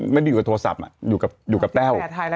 ไม่ได้อยู่กับโทรศัพท์อยู่กับแต้ว